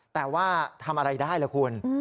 แต่ว่าทำอะไรได้ล่ะคุณ